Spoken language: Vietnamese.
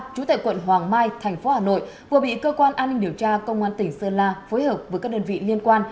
chú tại quận hoàng mai thành phố hà nội vừa bị cơ quan an ninh điều tra công an tỉnh sơn la phối hợp với các đơn vị liên quan